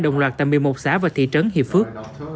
đồng loạt tại một mươi một xã và thị trấn hiệp phước